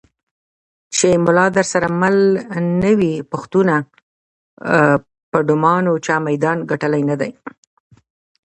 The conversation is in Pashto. چې ملا درسره مل نه وي پښتونه په ډمانو چا میدان ګټلی نه دی.